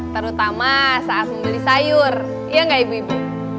terutama saat membeli sayur iya gak ibu ibu